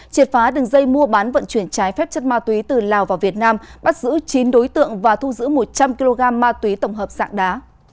triệt phá đường dây mua bán vận chuyển trái phép chất ma túy từ lào vào việt nam bắt giữ chín đối tượng và thu giữ một trăm linh kg ma túy tổng hợp sạng đá